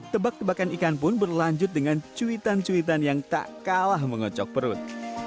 tebak tebakan ikan pun berlanjut dengan cuitan cuitan yang tak kalah mengocok perut